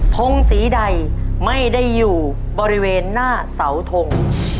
ทงสีใดไม่ได้อยู่บริเวณหน้าเสาทง